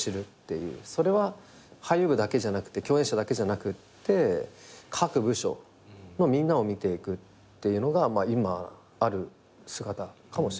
それは俳優部だけじゃなくて共演者だけじゃなくって各部署のみんなを見ていくっていうのが今ある姿かもしれないです。